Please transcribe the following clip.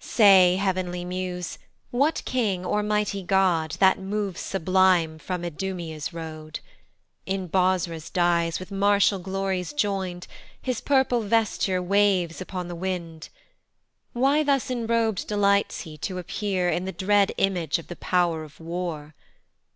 SAY, heav'nly muse, what king or mighty God, That moves sublime from Idumea's road? In Bosrah's dies, with martial glories join'd, His purple vesture waves upon the wind. Why thus enrob'd delights he to appear In the dread image of the Pow'r of war?